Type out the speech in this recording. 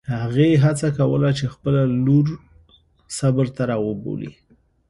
هغې هڅه کوله چې خپله لور صبر ته راوبولي.